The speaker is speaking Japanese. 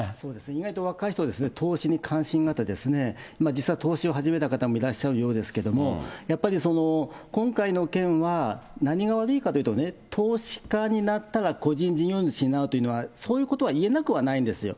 意外と若い人は投資に関心があって、実は投資を始めた方もいらっしゃるようですけど、やっぱり今回の件は、何が悪いかというとね、投資家になったら個人事業主になるとか、そういうことはいえなくはないんですよ。